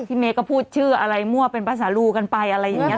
เมย์ก็พูดชื่ออะไรมั่วเป็นภาษาลูกันไปอะไรอย่างนี้